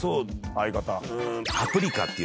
相方。